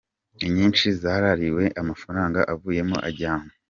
Inyinshi zarariwe amafaranga avuyemo ajyanwa.